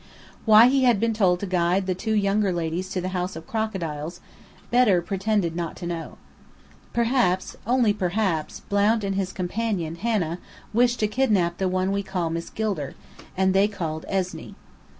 Why he had been told to guide the two younger ladies to the House of the Crocodile, Bedr pretended not to know. Perhaps only perhaps Blount and his companion, Hanna, wished to kidnap the one we called Miss Gilder, and they called "Esney."